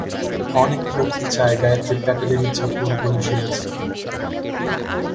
অনেক লোকই চায় গায়ত্রী প্যাটেলের ইচ্ছা পূরণ করুন শিবাজি।